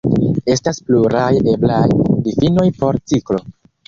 Estas pluraj eblaj difinoj por ciklo.